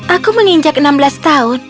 aku menginjak enam belas tahun